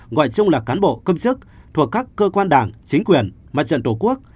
ngoại chung là cán bộ công chức thuộc các cơ quan đảng chính quyền mặt trận tổ quốc